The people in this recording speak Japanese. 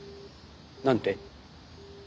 何て？